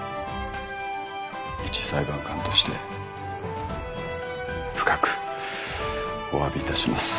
いち裁判官として深くおわびいたします。